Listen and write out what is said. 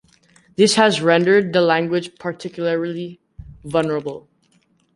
This has rendered the language particularly vulnerable.